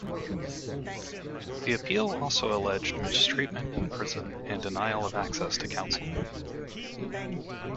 The appeal also alleged mistreatment in prison and denial of access to counsel.